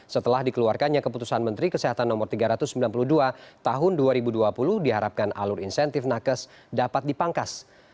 setelah dikeluarkannya keputusan menteri kesehatan no tiga ratus sembilan puluh dua tahun dua ribu dua puluh diharapkan alur insentif nakes dapat dipangkas